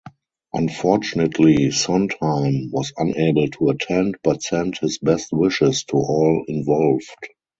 Unfortunately, Sondheim was unable to attend but sent his best wishes to all involved.